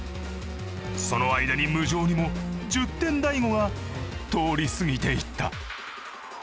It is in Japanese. その間に無情にも１０点大悟が通り過ぎていった。